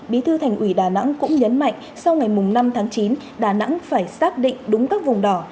bí thư thành ủy đà nẵng cũng nhấn mạnh sau ngày năm tháng chín đà nẵng phải xác định đúng các vùng đỏ